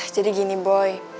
jadi gini boy